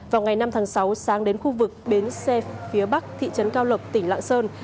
vào ngày năm tháng sáu sáng đến khu vực bến xe phía bắc thị trấn cao lộc tỉnh lạng sơn